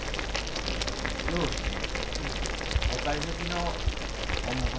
よろしいね。